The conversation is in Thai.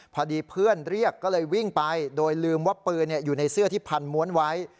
พอดีเพื่อนเรียกก็เลยวิ่งไปโดยลืมว่าปืนอยู่ในเสื้อที่พันม้วนไว้